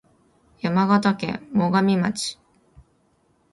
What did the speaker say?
山形県最上町